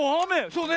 そうね。